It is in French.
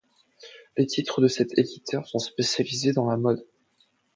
Les titres de cet éditeur sont spécialisés dans la mode.